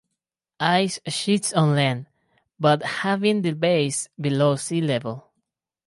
Ice sheets on land, but having the base below sea level.